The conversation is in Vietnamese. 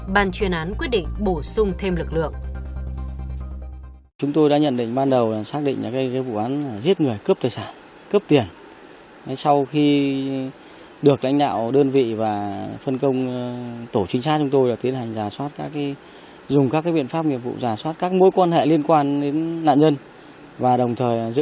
ban chuyên án quyết định bổ sung thêm lực lượng